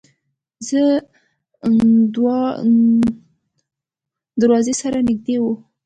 د دروازې سره نږدې و.